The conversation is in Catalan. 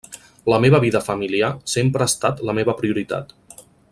La meva vida familiar sempre ha estat la meva prioritat.